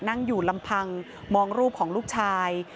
นั่งอยู่ลำพังมองรูปของลูกชาย